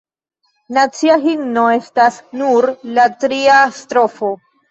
Nacia himno estas nur la tria strofo.